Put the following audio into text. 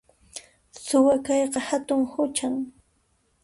Suwa kayqa hatun huchan